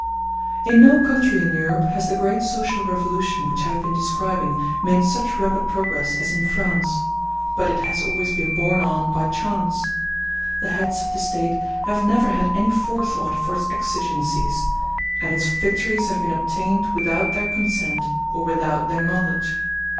In no country in Europe has the great social revolution which I have been describing made such rapid progress as in France; but it has always been borne on by chance. The heads of the State have never had any forethought for its exigencies, and its victories have been obtained without their consent or without their knowledge.